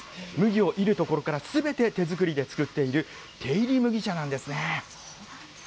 麦をいるところから、すべて手作りで作っている手いり麦茶なんでそうなんですか。